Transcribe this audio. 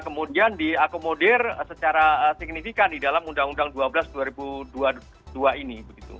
kemudian diakomodir secara signifikan di dalam undang undang dua belas dua ribu dua puluh dua ini